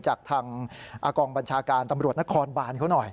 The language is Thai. จากทางกองบัญชาการตำรวจนครบานเขาหน่อย